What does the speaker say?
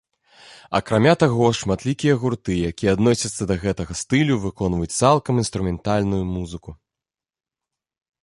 Акрамя таго, шматлікія гурты якія адносяцца да гэтага стылю выконваюць цалкам інструментальную музыку.